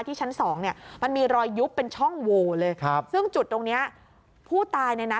ที่ชั้น๒เนี่ยมันมีรอยยุบเป็นช่องวลเลยซึ่งจุดตรงนี้ผู้ตายในนี้นะ